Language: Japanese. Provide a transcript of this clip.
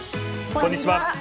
こんにちは。